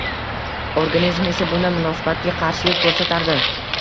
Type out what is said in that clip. Organizm esa bunday munosabatga qarshilik ko`rsatardi